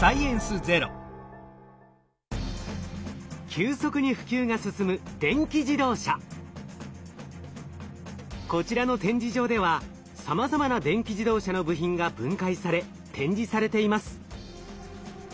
急速に普及が進むこちらの展示場ではさまざまな電気自動車の部品が分解され展示されています。